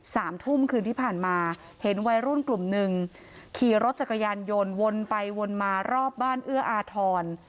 สามทุ่มคืนที่ผ่านมาเห็นวัยรุ่นกลุ่มหนึ่งขี่รถจักรยานยนต์วนไปวนมารอบบ้านเอื้ออาทร